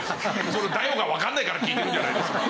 その「だよ」がわかんないから聞いてるんじゃないですか。